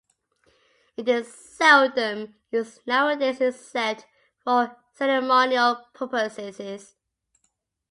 It is seldom used nowadays except for ceremonial purposes.